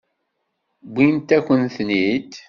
Wwint-akent-ten-id.